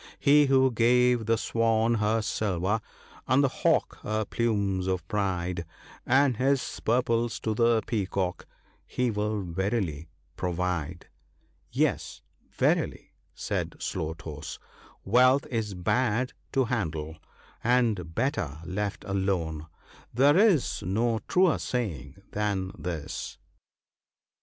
He who gave the swan her silver, and the hawk her plumes of pride, And his purples to the peacock — He will verily provide." Yes,* verily,' said Slow toes, ' wealth is bad to handle, and better left alone ; there is no truer saying than this — THE WINNING OF FRIENDS.